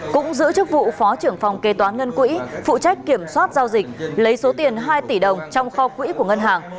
cũng giữ chức vụ phó trưởng phòng kế toán ngân quỹ phụ trách kiểm soát giao dịch lấy số tiền hai tỷ đồng trong kho quỹ của ngân hàng